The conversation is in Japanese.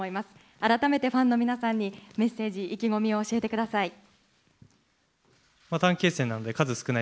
改めてファンの皆さんに、メッセージ、意気込みを教えてください。